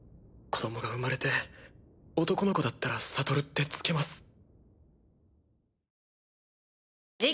子供が生まれて男の子だったら「悟」って付けます。